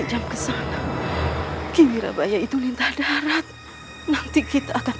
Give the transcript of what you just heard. jangan lakukan itu nisanak